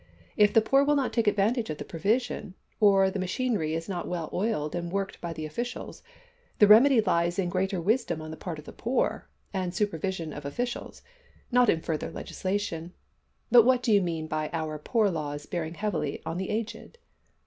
If the poor will not take advantage of the provision, or the machinery is not well oiled and worked by the officials, the remedy lies in greater wisdom on the part of the poor, and supervision of officials not in further legislation. But what do you mean by our poor laws bearing heavily on the aged?"